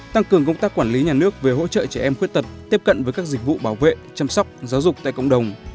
tăng cường công tác quản lý nhà nước về hỗ trợ trẻ em khuyết tật tiếp cận với các dịch vụ bảo vệ chăm sóc giáo dục tại cộng đồng